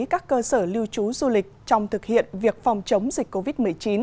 các cơ sở lưu trú du lịch trong thực hiện việc phòng chống dịch covid một mươi chín